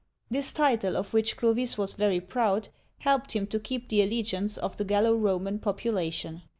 This title, of which Clovis was very proud, helped him to keep the allegiance of the Gallo Roman population.